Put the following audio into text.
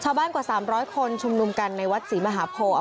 กว่า๓๐๐คนชุมนุมกันในวัดศรีมหาโพ